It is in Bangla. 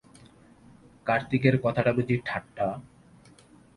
কার্তিকের কথাটা বুঝি ঠাট্টা?